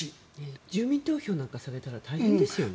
住民投票なんかされたら大変ですよね。